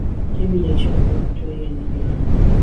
جەمیلەی چاو جوان تۆی هێزی گیانم